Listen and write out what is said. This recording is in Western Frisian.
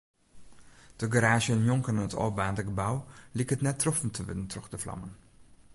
De garaazje njonken it ôfbaarnde gebou liket net troffen te wurden troch de flammen.